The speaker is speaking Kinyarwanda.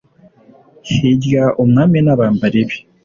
hirya umwami nabambari be